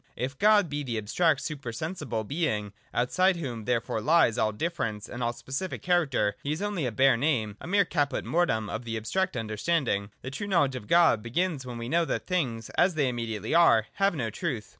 If God be the abstract super sensible Being, outside whom therefore lies all difference and all specific character, He is only a bare name, a mere caput mortuum of abstracting understanding. The true knowledge of God begins when we know that things, as they im mediately are, have no truth.